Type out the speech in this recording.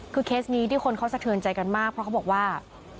คือเคสนี้ที่คนเขาสะเทือนใจกันมากเพราะเขาบอกว่า